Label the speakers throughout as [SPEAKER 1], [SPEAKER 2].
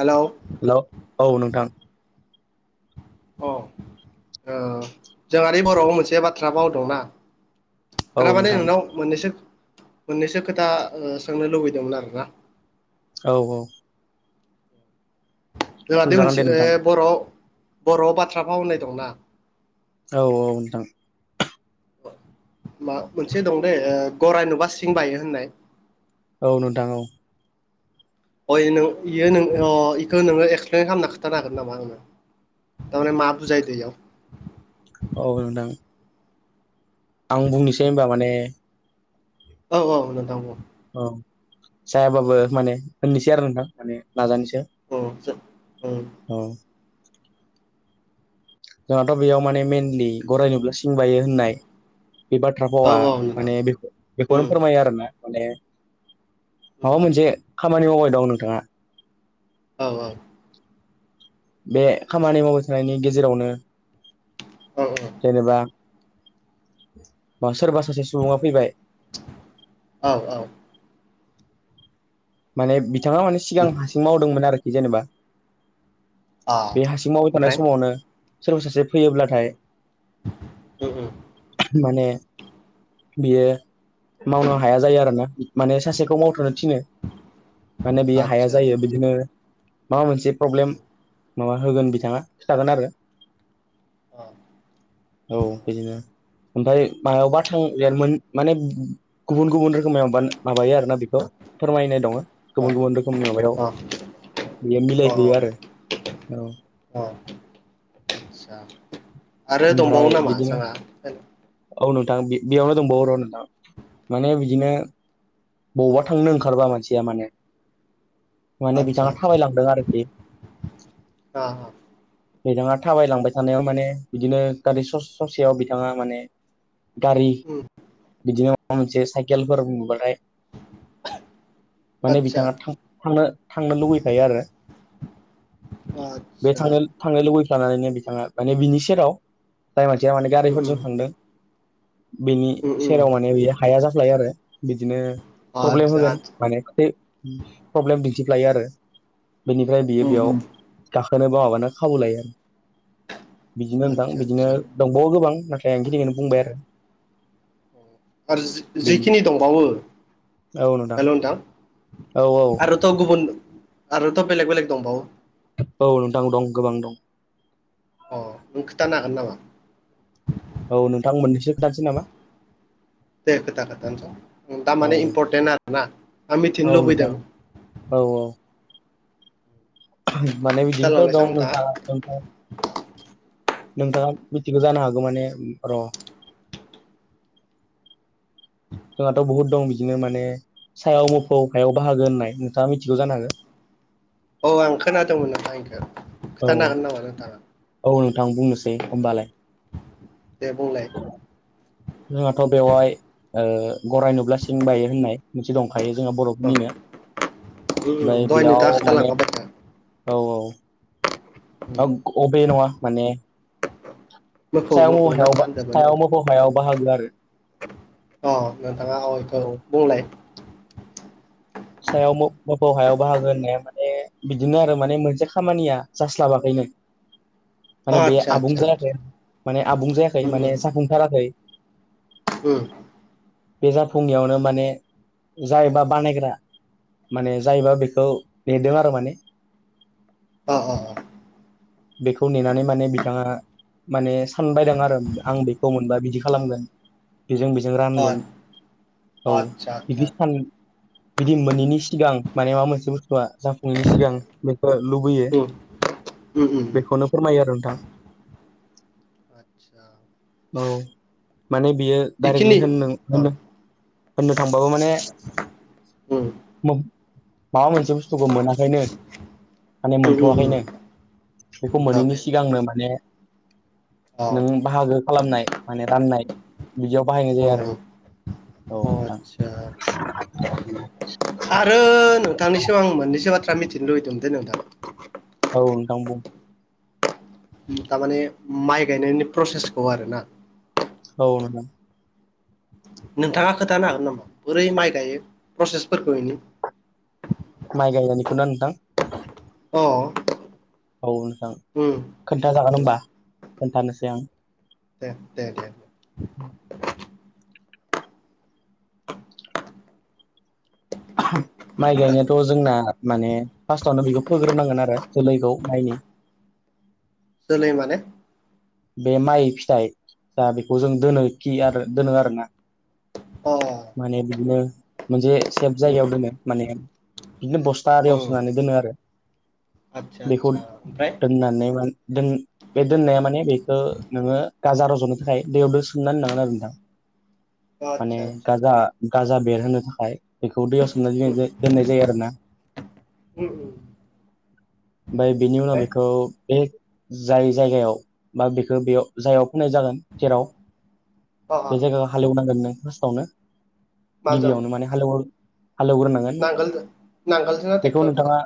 [SPEAKER 1] हेल'
[SPEAKER 2] हेल' औ नोंथां
[SPEAKER 1] अ जोंहाारि बर'आव मोनसे बाथ्रा बावदोंनाा
[SPEAKER 2] औ
[SPEAKER 1] र माने
[SPEAKER 2] नोंथां
[SPEAKER 1] नोंनाव मोननैसो मोननैसो खोथा सोंनो लुबैदोंमोन आरोना
[SPEAKER 2] औ औ
[SPEAKER 1] जोंहादे
[SPEAKER 2] सोंजागोन दे
[SPEAKER 1] मोनसे
[SPEAKER 2] नोंथां
[SPEAKER 1] बर' बर' बाथ्राफाव होननाय दंना
[SPEAKER 2] औ औ नथां
[SPEAKER 1] मा मोनसे दं दे गरराय नुबा सिं बायो होननाय
[SPEAKER 2] औ नोंथां औ
[SPEAKER 1] अयों इयोों इखौ नोङो एक्सप्लइेन खालाम खिथानो हागोन नामा नोङो थाने माब जाय दै आाव
[SPEAKER 2] औ नोंदां आं बुंनोसै होनबा माने
[SPEAKER 1] औ औ नोंथां
[SPEAKER 2] औ जायाबाबो माने होननोसै आरो नोंथां माने नाजानोसो
[SPEAKER 1] औ औ
[SPEAKER 2] औ जोंहाथ' बेयाव माने मेइेनलि गराइ नुब्ला सिं बायो होननाय बे बाथ्रा
[SPEAKER 1] औ
[SPEAKER 2] भावा
[SPEAKER 1] औ नोंथां
[SPEAKER 2] माने बेखौनो
[SPEAKER 1] उम
[SPEAKER 2] फोरमायो आरोोना माने
[SPEAKER 1] उम
[SPEAKER 2] माबा मोनसे खामानि मावबाय दं नोंथाङा
[SPEAKER 1] औ औ
[SPEAKER 2] बे खामानि मावबाय थानायनि गेजेरावनो
[SPEAKER 1] औ औ।
[SPEAKER 2] जेनेबा सोरबा सासे सुबुङा फैबाय
[SPEAKER 1] औ औ।
[SPEAKER 2] माने बिथाङा माने
[SPEAKER 1] उम
[SPEAKER 2] सिगां हारसिं मावदोंमोन आरोखि जेनेबा।
[SPEAKER 1] अ
[SPEAKER 2] बे हासिं मावबाय थानाय
[SPEAKER 1] ओमफ्राय
[SPEAKER 2] समावनो सोरबा सासे फैयोब्लाथाय
[SPEAKER 1] उम उम
[SPEAKER 2] माने बियो मावनो हाया जायो आरोोना माने सासेखौ मावथ'नो थिनो माने बेयो हाया
[SPEAKER 1] आदसा
[SPEAKER 2] जायो बिदिनो माबा मोनसे प्रब्लेम माबा होगोन बिथाङा खिथागोन आरो
[SPEAKER 1] औ
[SPEAKER 2] औ बिदिनो ओमफ्राय मायावबा थांजेमोन माने गुबुन गुबुन रोखोमै माबायो आरोना बेखौ फोरमायनाय दङ।
[SPEAKER 1] अ
[SPEAKER 2] गुबुन गुबुन रोखोमनि माबायाव
[SPEAKER 1] अ
[SPEAKER 2] बियो
[SPEAKER 1] अ
[SPEAKER 2] मिलायहोयो आरो औ।
[SPEAKER 1] अ आदसा आरो दंबावो
[SPEAKER 2] ओमफ्राय
[SPEAKER 1] नामा
[SPEAKER 2] बिदिनो
[SPEAKER 1] जोंहा
[SPEAKER 2] औ नोंथां बेयावनो दंबावो र' नोंथां माने बिदिनो बबावबा थांनो ओंखारबा मानसिया माने माने
[SPEAKER 1] आदसा
[SPEAKER 2] बिथाङा
[SPEAKER 1] आदसा
[SPEAKER 2] थाबायलांदों आरोखि।
[SPEAKER 1] आ
[SPEAKER 2] बिथाङा थाबायलांबाय थानायाव माने बिदिनो गारि स ससेयाव बिथाङा माने गारि
[SPEAKER 1] उम
[SPEAKER 2] बिदिनो माबा मोनसे साइकेलफोर नुबाथाय
[SPEAKER 1] [unintelligible]
[SPEAKER 2] माने
[SPEAKER 1] आदसा
[SPEAKER 2] बिथाङा थांनो थांनो लुबैफायो आरो। बे
[SPEAKER 1] आदसा
[SPEAKER 2] थांनो थांनो लुबैफ्लानानैनो बिथाङा माने बिनि सेराव जाय मानसिया माने
[SPEAKER 1] उम
[SPEAKER 2] गारिफोरजों
[SPEAKER 1] उम
[SPEAKER 2] थांदों बेनि
[SPEAKER 1] उम उम
[SPEAKER 2] सेराव माने गैया। हाया जाफ्लायो आरो बिदिनो प्रब्लेम
[SPEAKER 1] आदसा
[SPEAKER 2] होगोन
[SPEAKER 1] आदसा
[SPEAKER 2] माने प्रब्लेम दिन्थिफ्लायो आरो बेनिफ्राय बियो
[SPEAKER 1] उम
[SPEAKER 2] बेयाव
[SPEAKER 1] उम
[SPEAKER 2] गाखोनोबो माबानो खाबु लायो आरो बिदिनो नोंथां
[SPEAKER 1] आदसा
[SPEAKER 2] बिदिनो
[SPEAKER 1] आदसा
[SPEAKER 2] दंबावो गोबां नाथाय आं बे खिनिखौनो बुंबाय आरो।
[SPEAKER 1] आरो
[SPEAKER 2] बेनि
[SPEAKER 1] जिखिनि दंबावो हेल' नोंथां।
[SPEAKER 2] औ औ
[SPEAKER 1] आरोथ' गुबुन आरोथ' बेलेग बेलेग दंबावो।
[SPEAKER 2] औ नोंथां दं गोबां दं।
[SPEAKER 1] अ नों खिथानो हागोन नामा?
[SPEAKER 2] औ नोंथां मोननैसो खोनथानोसै नामा।
[SPEAKER 1] दे खोथा खोथानोस' दा
[SPEAKER 2] औ
[SPEAKER 1] माने इम्परटेन्ट आरोना आं मिथिनो
[SPEAKER 2] औ नोंथां
[SPEAKER 1] लुबैदों।
[SPEAKER 2] औ औ माने बिदिथ
[SPEAKER 1] खिथालांनायसै
[SPEAKER 2] दं
[SPEAKER 1] नोंथाङा
[SPEAKER 2] नाथाय नोंथाङा मिथिगौ जानो हागौ माने र' जोंहाथ' बहुद दं बिदिनो माने सायाव मोफौ हायाव बाहागो होननाय नोंथाङा मिथिगौ जानो हागो।
[SPEAKER 1] औ आं खोनादोंमोन नोंथां इखौ
[SPEAKER 2] औ
[SPEAKER 1] खोनथानो हागोन नामा नोंथाङा?
[SPEAKER 2] औ नोंथां बुंनोसै होमबालाय।
[SPEAKER 1] दे बुंलाय।
[SPEAKER 2] जोंहाथ' बेवहाय ओ गराय नुब्ला सिं बायो होननाय मोनसे दं। खायो जोंह
[SPEAKER 1] अ
[SPEAKER 2] बर'फोरनिनो ओमफ्राय
[SPEAKER 1] उम दहाय
[SPEAKER 2] बेयाव
[SPEAKER 1] नोंथाङा
[SPEAKER 2] माने
[SPEAKER 1] खोथालांखाबाय
[SPEAKER 2] औ औ।
[SPEAKER 1] उम
[SPEAKER 2] ओग अ बे नङा माने
[SPEAKER 1] मोफौ
[SPEAKER 2] सायाव मौ
[SPEAKER 1] मोफौ ना
[SPEAKER 2] हायाव
[SPEAKER 1] मा
[SPEAKER 2] बा
[SPEAKER 1] होनदोंमोन नों
[SPEAKER 2] सायाव मोफौ हायाव बाहागो आरो।
[SPEAKER 1] अ नोंथाङा आ बेखौ'
[SPEAKER 2] औ
[SPEAKER 1] बुंलाय।
[SPEAKER 2] सायाव मो मोफौ हायाव बाहागो होननाया माने बिदिनो आरो माने मोनसे खामानिया जास्लाबाखैमोन।
[SPEAKER 1] अ
[SPEAKER 2] माने बे
[SPEAKER 1] आतसा
[SPEAKER 2] आबुं
[SPEAKER 1] आतसा आतसा
[SPEAKER 2] जायाखै माने आबुं जायाखै
[SPEAKER 1] उम
[SPEAKER 2] माने
[SPEAKER 1] उम
[SPEAKER 2] जाफुं थाराखै
[SPEAKER 1] उम।
[SPEAKER 2] बे जाफुङैयावनो माने जायबा बानायग्रा माने जायबा बेखौ नेदों आरो माने
[SPEAKER 1] अ अ अ।
[SPEAKER 2] बेखौ नेनानै माने बिथाङा माने सानबायदों आरो आं बेखौ मोनबा बिदि खालामगोन। बेजों बेजों
[SPEAKER 1] अ
[SPEAKER 2] रानगोन औ
[SPEAKER 1] आतसा आतसा
[SPEAKER 2] बिदि सान बिदि मोनिनि सिगां माने माबा मोनसे बुस्थुआ जाफुङैनि सिगां बेखौ लुबैयो।
[SPEAKER 1] उम उम। उम
[SPEAKER 2] बेखौनो फोरमायो आरो नोंथां।
[SPEAKER 1] आतसा
[SPEAKER 2] औ माने बियो
[SPEAKER 1] इखिनि
[SPEAKER 2] डाइरेक्टलि होननो
[SPEAKER 1] अ
[SPEAKER 2] होनो होननो थांबाबो माने
[SPEAKER 1] उम
[SPEAKER 2] मो माबा मोनसे बुस्थुखौ मोनाखैनो माने
[SPEAKER 1] उम उम उम
[SPEAKER 2] मोनथ'वाखैनो बेखौ मोनैनि
[SPEAKER 1] मोनथाराखै
[SPEAKER 2] सिगांनो माने
[SPEAKER 1] अ
[SPEAKER 2] नों बाहागो खालामनाय माने राननाय बिदियाव बाहायनाय जायो
[SPEAKER 1] अ
[SPEAKER 2] आरो।
[SPEAKER 1] अ
[SPEAKER 2] औ नोंथां।
[SPEAKER 1] आतसा आरो नोंथांनिसिम आं मोननैसो बाथ्रा मिथिनो लुबैदोंमोन दे नोंथां
[SPEAKER 2] औ नोंथां बुं।
[SPEAKER 1] थारमाने माइ गायनायनि प्रसेसखौ आरो ना।
[SPEAKER 2] औ नोंथां।
[SPEAKER 1] नोंथाङा खोथानो हागोन नामा बोरै माइ गायो प्रसेसफोरखौ इनि ।
[SPEAKER 2] माइ गायनायनिखौ ना नोंथां?
[SPEAKER 1] अ।
[SPEAKER 2] औ‌‌ नोंथां।
[SPEAKER 1] उम।
[SPEAKER 2] खोन्थाजागोन
[SPEAKER 1] उम
[SPEAKER 2] होमबा खोन्थानोसै आं।
[SPEAKER 1] दे दे दे।
[SPEAKER 2] [inaudible] माइ गायनायाथ' जोंना माने फार्स्टावनो बेखौ फोग्रोनांगोन आरो जोलैखौ माइनि
[SPEAKER 1] जोलै माने
[SPEAKER 2] बे माइ फिथाइ जा बेखौ जों दोनो खि आरो दोनो आरोना
[SPEAKER 1] अ
[SPEAKER 2] माने बिदिनो मोनसे सेफ
[SPEAKER 1] उम
[SPEAKER 2] जायगायाव दोनो माने बिदिनो बस्था आरियाव
[SPEAKER 1] उम
[SPEAKER 2] सोनानै दोनो आरो।
[SPEAKER 1] आतसा
[SPEAKER 2] बेखौ
[SPEAKER 1] आतसा ओमफ्राय
[SPEAKER 2] दोननानै माने दोन बे दोननाया माने बे नोङो गाजा रज'नो थाखाय दैयाव दो सोमनानै दोननांगोन आरो नोंथां। माने
[SPEAKER 1] आतसा आतसा
[SPEAKER 2] गाजा गाजा बेरहोनो थाखाय बेखौ दैयाव सोमनानै
[SPEAKER 1] उम
[SPEAKER 2] दोन दोननाय जायो आरोना।
[SPEAKER 1] उम उम।
[SPEAKER 2] ओमफाय बेनि उनाव
[SPEAKER 1] ओमफ्राय
[SPEAKER 2] बेखौ बे जाय जायगायाव बा बेखौ बेयाव जायायाव फैनाय जागोन जेराव
[SPEAKER 1] अ अ
[SPEAKER 2] बे जायगाखौ हालेवनांगोन नों फार्स्टआवनो
[SPEAKER 1] माजों
[SPEAKER 2] गिबियावनो माने हालेव हालेवग्रोनां
[SPEAKER 1] नांगोलजों नांगोलजोंना टेक्टरजों?
[SPEAKER 2] नोंथाङा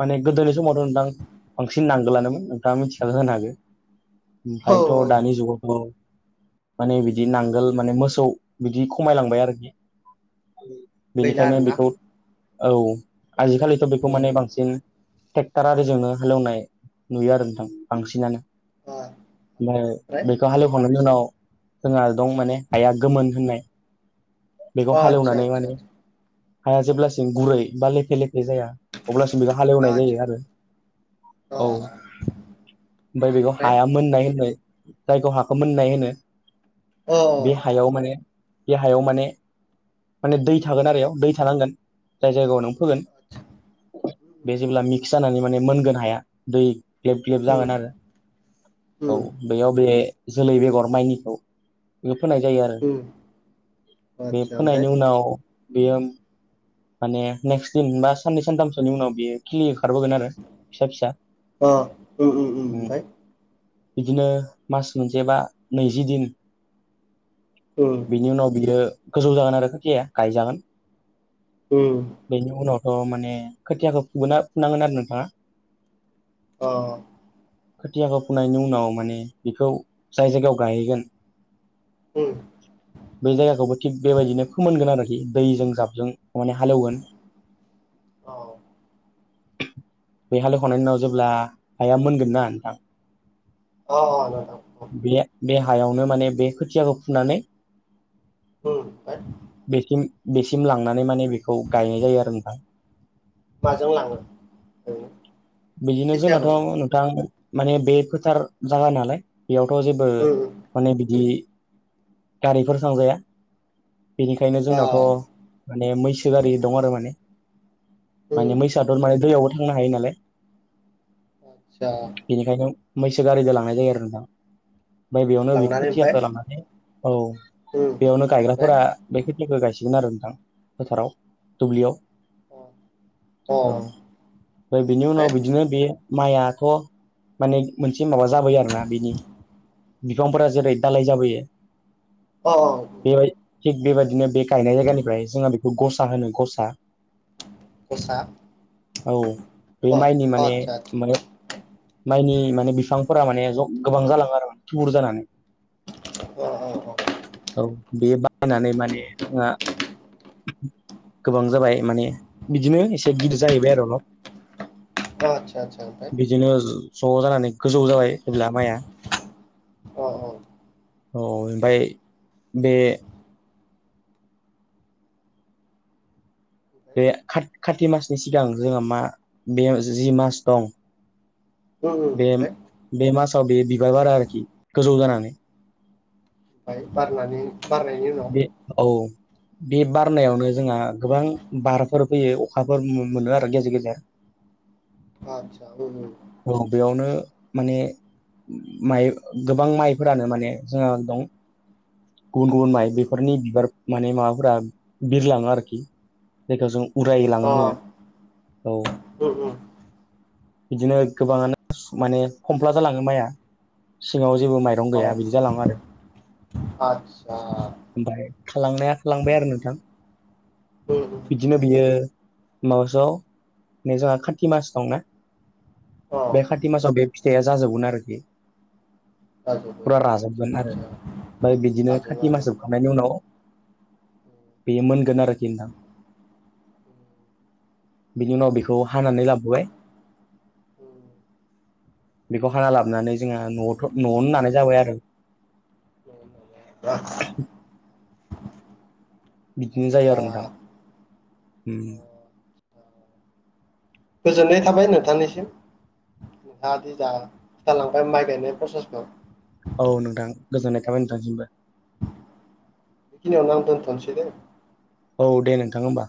[SPEAKER 2] माने गोदोनि समावथ' नोंथां बांसिन नांगोलानोमोन नोंथाङा मिथिया जानो हागो।
[SPEAKER 1] औ
[SPEAKER 2] ओमफायथ'
[SPEAKER 1] औ
[SPEAKER 2] दानि जुगाव औ माने बिदि नांगोल माने मोसौ बिदि खमायलांबाय आरोखि बे
[SPEAKER 1] गैला
[SPEAKER 2] बेनिखायनो
[SPEAKER 1] आरोना
[SPEAKER 2] बेखौ औ आजिखालिथ' बेखौ
[SPEAKER 1] उम
[SPEAKER 2] माने बां सिन ट्रेक्टार आरिजोंनो हालौवनाय नुयो आरो नोंथां बांसिनानो।
[SPEAKER 1] अ
[SPEAKER 2] ओमफ्राय
[SPEAKER 1] आतसा ओमफ्राय
[SPEAKER 2] बेखौ हालेवखांनायनि उनाव जोंहा दं माने हाया गोमोन होननाय बेखौ
[SPEAKER 1] आतसा
[SPEAKER 2] हालेवनानै
[SPEAKER 1] आतसा
[SPEAKER 2] माने
[SPEAKER 1] आतसा
[SPEAKER 2] हाया जेब्लासिम गुरै बा लेफे लेफे जाया अब्लासिम बेयाव हालेवनाय
[SPEAKER 1] आतसा
[SPEAKER 2] जायो आरो
[SPEAKER 1] अ
[SPEAKER 2] औ। ओमफाय बेखौ
[SPEAKER 1] ओमफ्राय
[SPEAKER 2] हाया मोननाय होननाय जायखौ हाखौ मोननाय होनो।
[SPEAKER 1] अ
[SPEAKER 2] बे हायाव माने बे हायाव माने माने दै थागोन आरो इयाव दै थानांगोन। जाय जायगायाव नों फोगोन
[SPEAKER 1] आतसा उम
[SPEAKER 2] बे जेब्ला मिक्स जानानै माने मोनगोन हाया दै ग्लेब ग्लेब
[SPEAKER 1] उम
[SPEAKER 2] जागोन आरो औ।
[SPEAKER 1] उम
[SPEAKER 2] बेयाव बे जोलै बेगर माइनिखौ बेखौ फोनाय जायो आरो।
[SPEAKER 1] [inaudible]
[SPEAKER 2] बे
[SPEAKER 1] ओमफ्राय
[SPEAKER 2] फोनायनि उनाव बियो माने नेक्स दिन बा साननै सानथामसोनि उनाव बियो खिलि ओंखारबोगोन आरो। फिसा फिसा ओम बिदिनो मास मोनसे बा नैजि दिन
[SPEAKER 1] ओ
[SPEAKER 2] बिनि उनाव बियो गोजौ जागोन आरो खोथिया गायजागोन।
[SPEAKER 1] उम।
[SPEAKER 2] बेनि उनावथ' माने खोथियाखौ फुना फुनांगोन आरो नोंथाङा।
[SPEAKER 1] अ।
[SPEAKER 2] खोथियाखौ फुनायनि उनाव माने बेखौ जाय जायगायाव गायैगोन
[SPEAKER 1] उम।
[SPEAKER 2] बे जायगाखौबो थिग बेबायदिनो फोमोनगोन आरोखि दैजों जाबजों माने हालेवगोन
[SPEAKER 1] औ।
[SPEAKER 2] बे हालेवखांनायनि उनाव जेब्ला हाया मोनगोन ना नोंथां
[SPEAKER 1] अ अ नोंथां। उम
[SPEAKER 2] बे बे हायावनो माने बे खोथियाखौ फुनानै
[SPEAKER 1] ओमफ्राय
[SPEAKER 2] बेसिम बेसिम लांनानै माने बेखौ गायनाय जायो आरो नोंथां।
[SPEAKER 1] माजों लाङो ओरैनो
[SPEAKER 2] बिदिनो जोंनाथ'
[SPEAKER 1] खोथियाखौ
[SPEAKER 2] नोंथां माने बे फोथार जागा नालाय बेयावथ' जेबो
[SPEAKER 1] उम
[SPEAKER 2] माने बिदि गारिफोर थांजाया। बेनिखायनो
[SPEAKER 1] अ
[SPEAKER 2] जोंनावथ' माने मैसो गारि दङ' आरो माने।
[SPEAKER 1] उम
[SPEAKER 2] माने मैसोआथ' माने दैयावबो थांनो हायो नालाय।
[SPEAKER 1] आतसा
[SPEAKER 2] बेनिखायनो मैसो गारिजों लांनाय जायो आरो नोंथां। ओमफाय बेयावनो बे
[SPEAKER 1] लांनानै ओमफ्राय
[SPEAKER 2] खोथियाखो राननानै औ
[SPEAKER 1] उम
[SPEAKER 2] बेयावनो
[SPEAKER 1] ओमफ्राय
[SPEAKER 2] गायग्राफोरा बे खोथियाखौ गायसिगोन आरो नोंथां फोथाराव दुब्लियाव।
[SPEAKER 1] अ
[SPEAKER 2] औ
[SPEAKER 1] ओमफ्राय
[SPEAKER 2] ओ बेनि उनाव
[SPEAKER 1] अ
[SPEAKER 2] बि दिनो बे माइयाथ' माने मोनसे माबा जाबाय आरो ना बिनि बिफांफोरा जेरै दालाय जाबोयो
[SPEAKER 1] अ अ।
[SPEAKER 2] बेबाय थिग बेबायदिनो बे गायनाय जायगानिफ्राय जोंहा बेखौ गसा होनो गसा।
[SPEAKER 1] गसा अ
[SPEAKER 2] औ बे
[SPEAKER 1] अ
[SPEAKER 2] माइनि माने
[SPEAKER 1] आदसा आदसा
[SPEAKER 2] माने माइनि माने बिफांफोरा माने ज गोबां जालाङो आरो थुबुर जानानै।
[SPEAKER 1] अ अ अ।
[SPEAKER 2] औ बेयो बायनानै माने जोंहा गोबां जाबाय माने बिदिनो एसे गिदिर जाहैबाय आरो [unintelligible]
[SPEAKER 1] अ आतसा आतसा [unintelligible]
[SPEAKER 2] बिदिनो ज' जानानै गोजौ जाबाय अब्ला माइया।
[SPEAKER 1] अ औ।
[SPEAKER 2] औ ओमफाय बे बे खात खाति मासनि सिगां जोंहा मा बे जि मास दं
[SPEAKER 1] उम उम
[SPEAKER 2] बे
[SPEAKER 1] ओमफ्राय
[SPEAKER 2] बे मासाव बे बिबार बारो आरोखि गोजौ जानानै।
[SPEAKER 1] ओमफ्राय बारनानै बारनायनि [unintelligible]
[SPEAKER 2] बे औ बे बारनायावनो जोंहा गोबां बारफोर फैयो अखाफोर मोनो आरो गेजेर गेजेर।
[SPEAKER 1] आतसा औ औ।
[SPEAKER 2] औ बेयावनो माने माइ गोबां माइफोरानो माने जोंहा दं गुबुन गुबुन माइ
[SPEAKER 1] उम
[SPEAKER 2] बेफोरनि बिबार माने माबाफोरा बिरलाङो आरोखि जायखौ जों
[SPEAKER 1] अ
[SPEAKER 2] उरायलाङो औ।
[SPEAKER 1] उम उम।
[SPEAKER 2] बिदिनो गोबाङानो माने खमफ्ला जालाङो माइआ सिङाव जेबो माइ
[SPEAKER 1] अ
[SPEAKER 2] गैया बिदि जालाङो आरो।
[SPEAKER 1] आदसा
[SPEAKER 2] ओमफ्राय थांलांनाया थालांबाय आरो नोंथां।
[SPEAKER 1] उम उम।
[SPEAKER 2] बिदिनो बियो मासआव जोंहा खााथि मास दंना? बे खाति मासाव बे फिथाइआ जाजोबगोन आरोखि
[SPEAKER 1] राजबो
[SPEAKER 2] फुरा राजोबगोन
[SPEAKER 1] आदसा
[SPEAKER 2] आरो,
[SPEAKER 1] आदसा
[SPEAKER 2] ओमफ्राय बिदिनो
[SPEAKER 1] राजों
[SPEAKER 2] खाथि
[SPEAKER 1] आरो
[SPEAKER 2] मासाव खांनायनि उनाव बेयो मोनगोन आरोखि नोंथां। बिनि उनाव बेखौ हानानै लाबोबाय
[SPEAKER 1] [inaudible]
[SPEAKER 2] बेखौ हाना लाबोनानै जोंहा न'आव' न'आवनो नानाय जाबाय आरो।
[SPEAKER 1] दा
[SPEAKER 2] बिदिनो जायो आरो नोंथां उम।
[SPEAKER 1] गोजोननाय थाबाय नोंथांनिसिम। नोंथाङादि जा खिथालांबाय माइ गायनाय प्रसेसखौ।
[SPEAKER 2] औ नोंथां गोजोननाय थाबाय नोंथांसिमबो।
[SPEAKER 1] बेखिनियावनो आं दोनथ'नोसै दे।
[SPEAKER 2] औ दे नोंथां होमबा।